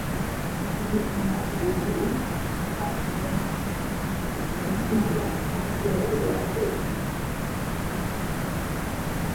Maji kama gundi hupatikana chini ya ngozi na mapafu yaliyoathirika kwa mnyama aliyekufa